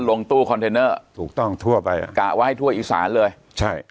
ลงตู้คอนเทนเนอร์ถูกต้องทั่วไปอ่ะกะไว้ให้ทั่วอีสานเลยใช่